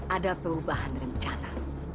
ada perubahan rencana